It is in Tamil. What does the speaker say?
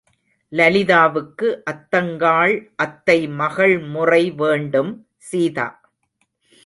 லலிதாவுக்கு அத்தங்காள் அத்தை மகள் முறை வேண்டும் சீதா.